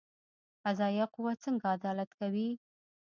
قضایه قوه څنګه عدالت کوي؟